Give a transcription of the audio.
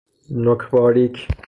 نوک باریک